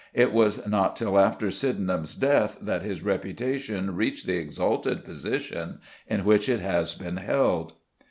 It was not till after Sydenham's death that his reputation reached the exalted position in which it has been held.